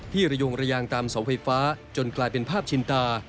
ระยงระยางตามเสาไฟฟ้าจนกลายเป็นภาพชินตา